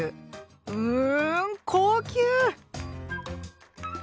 うん高級！